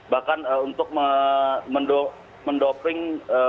bahkan untuk mendopring